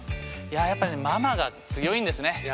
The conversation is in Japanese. やっぱね「ママ」が強いんですね。